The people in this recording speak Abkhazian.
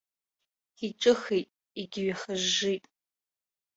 Иҿыхеит, егьыҩхыжжит.